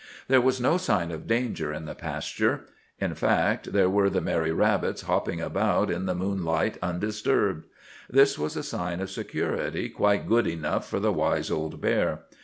There was no sign of danger in the pasture. In fact, there were the merry rabbits hopping about in the moonlight undisturbed. This was a sign of security quite good enough for the wise old bear.